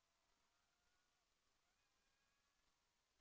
แสวได้ไงของเราก็เชียนนักอยู่ค่ะเป็นผู้ร่วมงานที่ดีมาก